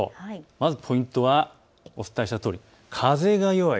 まずポイントはお伝えしたとおり風が弱い。